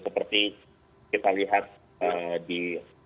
seperti kita lihat di